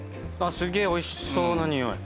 すげえおいしそうな匂い。